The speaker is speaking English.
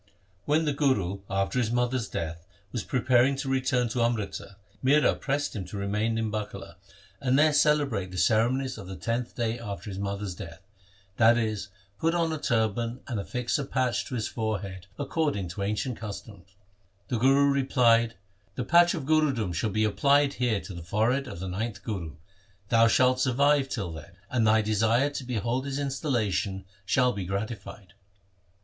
When the Guru after his mother's death was preparing to return to Amritsar, Mihra pressed him to remain in Bakala and there celebrate the cere 70 THE SIKH RELIGION monies of the tenth day after his mother's death, that is, put on a turban and affix a patch to his fore head according to ancient customs. The Guru replied, ' The patch of Gurudom shall be applied here to the forehead of the ninth Guru. Thou shalt survive till then, and thy desire to behold his instal lation shall be gratified.'